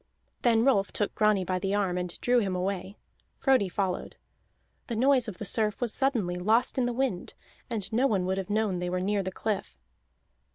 Then Rolf took Grani by the arm and drew him away. Frodi followed. The noise of the surf was suddenly lost in the wind, and no one would have known they were near the cliff.